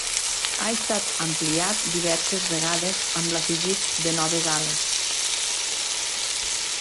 Ha estat ampliat diverses vegades amb l'afegit de noves ales.